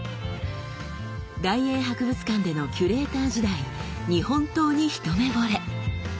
大英博物館でのキュレーター時代日本刀にひとめぼれ。